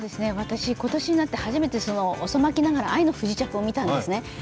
私、今年になって初めて遅まきながら「愛の不時着」を見たんですね。